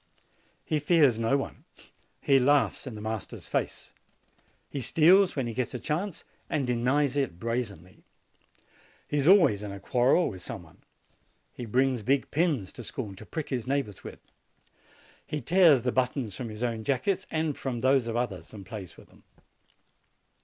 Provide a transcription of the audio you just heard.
He fears no one. He laughs in the master's face. He steals when he gets a chance and denies it brazenly. He is always in a quarrel with some one. He brings big pins to school, to prick his neighbors with. He tears the buttons from his own jackets and from those of others, and plays with them.